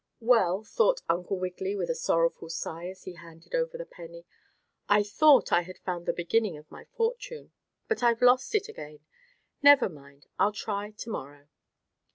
"Well," thought Uncle Wiggily with a sorrowful sigh as he handed over the penny, "I thought I had found the beginning of my fortune, but I've lost it again. Never mind. I'll try to morrow."